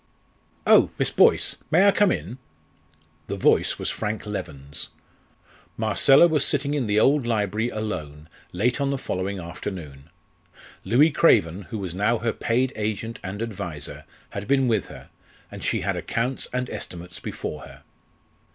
"Oh! Miss Boyce, may I come in?" The voice was Frank Leven's. Marcella was sitting in the old library alone late on the following afternoon. Louis Craven, who was now her paid agent and adviser, had been with her, and she had accounts and estimates before her.